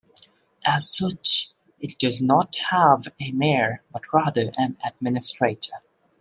As such, it does not have a mayor but rather an administrator.